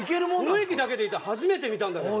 雰囲気だけでいい人初めて見たんだけど。